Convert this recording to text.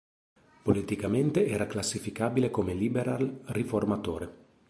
Politicamente era classificabile come liberal-riformatore.